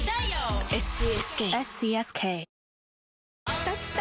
きたきた！